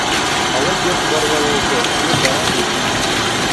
— Алып бир корвалолды, үлеп барам бит!